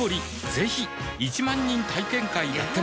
ぜひ１万人体験会やってます